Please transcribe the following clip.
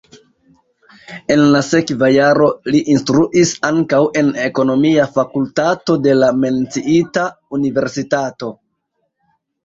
En la sekva jaro li instruis ankaŭ en ekonomia fakultato de la menciita universitato.